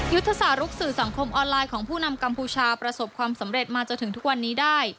สารกสื่อสังคมออนไลน์ของผู้นำกัมพูชาประสบความสำเร็จมาจนถึงทุกวันนี้ได้